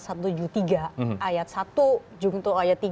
ayat satu jungtul ayat tiga